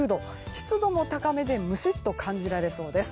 湿度も高めでムシッと感じられそうです。